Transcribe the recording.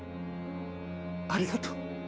ありがとう。